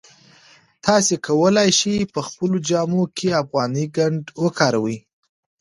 تاسي کولای شئ په خپلو جامو کې افغاني ګنډ وکاروئ.